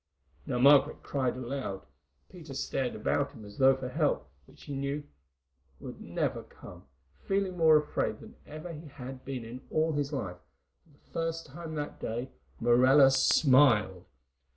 Now Margaret cried aloud. Peter stared about him as though for help, which he knew could never come, feeling more afraid than ever he had been in all his life, and for the first time that day Morella smiled.